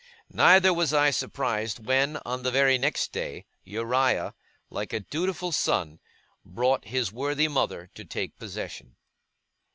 Neither was I surprised when, on the very next day, Uriah, like a dutiful son, brought his worthy mother to take possession.